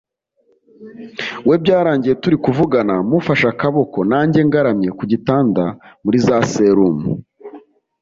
we byarangiye turi kuvugana mufashe akaboka nanjye ngaramye ku gitanda muri za serumu